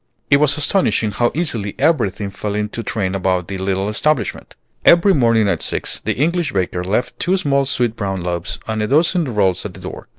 It was astonishing how easily everything fell into train about the little establishment. Every morning at six the English baker left two small sweet brown loaves and a dozen rolls at the door.